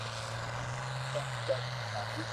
ڪاو ڪرو ٿارو